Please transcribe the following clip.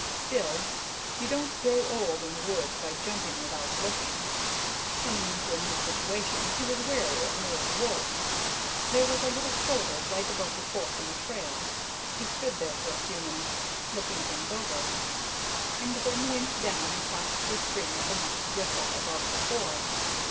Still, you don't grow old in the woods by jumping without looking. Coming into a new situation, he was wary as an old wolf. There was a little shoulder right above the fork in the trail. He stood there for several minutes, looking things over, and then went down and crossed the stream at the next riffle, above the ford.